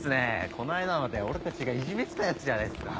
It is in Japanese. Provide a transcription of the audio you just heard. この間まで俺たちがいじめてたヤツじゃないですか。